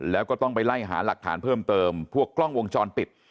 แล้วก็ต้องไปไล่หาหลักฐานเพิ่มเติมพวกกล้องวงจรปิด